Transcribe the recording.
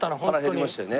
腹減りましたよね。